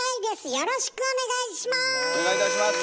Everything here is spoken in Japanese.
よろしくお願いします！